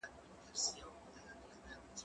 زه اوږده وخت کتابتون ته راځم وم؟!